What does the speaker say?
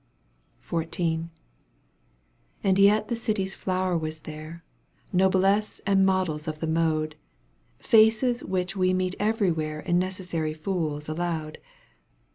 XXIV. /^ And yet the city's flower was there. Noblesse and models of the mode, Faces which we meet everywhere And necessary fools allowed.